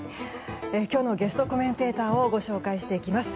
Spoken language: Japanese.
今日のゲストコメンテーターをご紹介します。